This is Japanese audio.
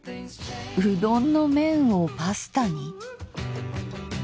うどんの麺をパスタに？